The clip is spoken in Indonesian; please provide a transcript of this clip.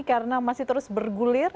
karena masih terus bergulir